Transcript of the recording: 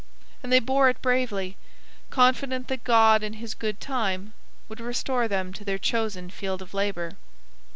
And they bore it bravely, confident that God in His good time would restore them to their chosen field of labour.